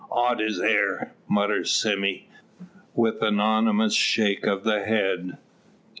"Odd it air!" mutters Sime, with an ominous shake of the head.